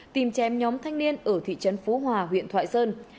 tìm chém nhóm thanh niên ở thị trấn phú hòa huyện thoại sơn